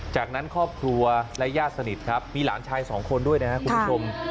จากนั้นครอบครัวและญาติสนิทครับมีหลานชายสองคนด้วยนะครับคุณผู้ชม